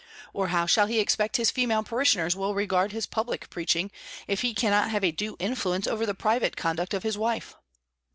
or how shall he expect his female parishioners will regard his public preaching, if he cannot have a due influence over the private conduct of his wife?